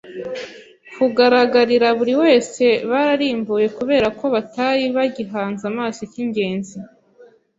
kugaragarira buri wese bararimbuwe kubera ko batari bagihanze amaso icy’ingenzi.